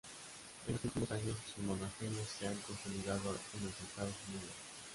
En los últimos años sus monasterios se han consolidado en los Estados Unidos.